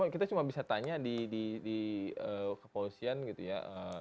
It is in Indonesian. kita cuma bisa tanya di kepolisian gitu ya